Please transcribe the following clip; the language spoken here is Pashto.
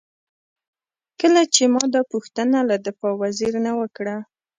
کله چې ما دا پوښتنه له دفاع وزیر نه وکړه.